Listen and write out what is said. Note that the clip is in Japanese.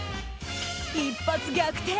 一発逆転！